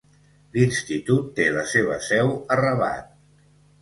L'institut té la seva seu a Rabat.